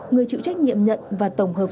người chịu trách nhiệm nhận và tổng hợp